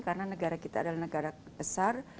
karena negara kita adalah negara besar